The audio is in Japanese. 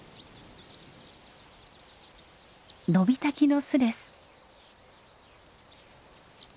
ノビタキの巣です。